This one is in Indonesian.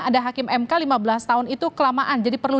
ada hakim mk lima belas tahun itu kelamaan jadi perlu